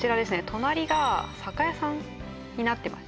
隣が酒屋さんになってます